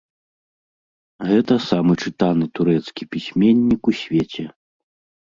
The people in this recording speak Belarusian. Гэта самы чытаны турэцкі пісьменнік у свеце.